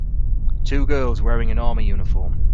two girls wearing an army uniform.